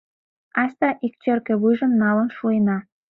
Айста, ик черке вуйжым налын шуэна.